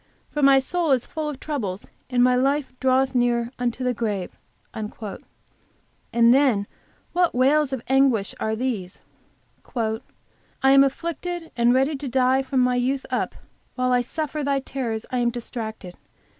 For my soul is full of troubles; and my life draweth near unto the grave." And then what wails of anguish are these! "I am afflicted, and ready to die from my youth up, while I suffer thy terrors I am distracted.